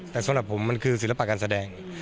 แต่สำหรับผมมันคือศิลปะการแสดง